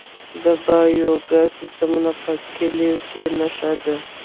د بایو ګاز سیستمونه په کلیو کې ښه دي